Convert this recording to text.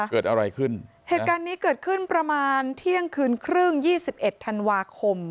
เกิดอะไรขึ้นเหตุการณ์นี้เกิดขึ้นประมาณเที่ยงคืนครึ่งยี่สิบเอ็ดธันวาคม